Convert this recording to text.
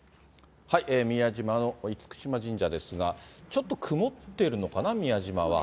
宮島の厳島神社ですが、ちょっと曇ってるのかな、宮島は。